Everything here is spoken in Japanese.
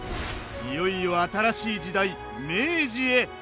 いよいよ新しい時代明治へ！